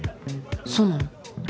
そうなの？